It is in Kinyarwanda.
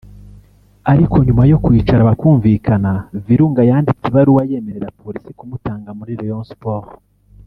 ariko nyuma yo kwicara bakumvikana Virunga yanditse ibaruwa yemerera Police kumutanga muri Rayon Sports